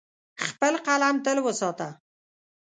خپل قلم تل وساته.